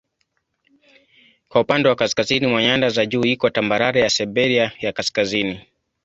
Kwa upande wa kaskazini mwa nyanda za juu iko tambarare ya Siberia ya Kaskazini.